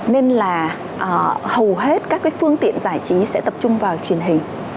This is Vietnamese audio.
nên là hầu hết các cái phương tiện giải trí sẽ tập trung vào truyền hình